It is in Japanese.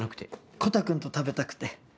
コタくんと食べたくて。